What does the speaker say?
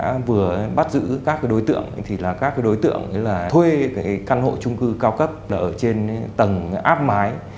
chúng tôi vừa bắt giữ các đối tượng thì là các đối tượng là thuê cái căn hộ trung cư cao cấp ở trên tầng áp mái